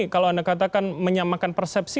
kalau anda katakan menyamakan persepsi